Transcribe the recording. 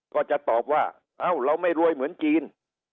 ก็จะตอบว่าเอ้าเราไม่รวยเหมือนจีน